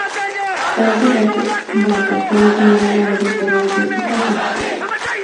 Por otra parte, Bonaparte no tenía una larga carrera política a sus espaldas.